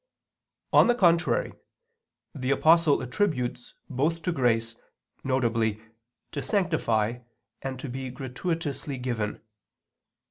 On the contrary, The Apostle attributes both to grace, viz. to sanctify and to be gratuitously given.